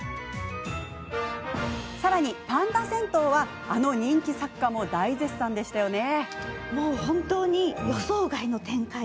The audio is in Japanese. さらに「パンダ銭湯」はあの人気作家も大絶賛でしたよね。